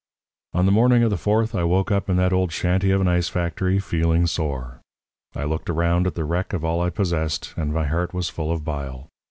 "On the morning of the Fourth I woke up in that old shanty of an ice factory feeling sore. I looked around at the wreck of all I possessed, and my heart was full of bile.